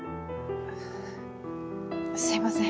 すいません